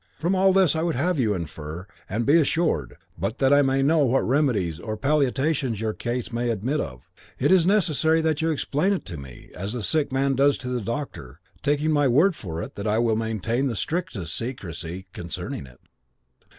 From all this I would have you infer, and be assured, that my friendship may be of some use to you. But that I may know what remedies or palliations your case may admit of, it is necessary that you explain it to me, as the sick man does to the doctor, taking my word for it, that I will maintain the strictest secrecy concerning it."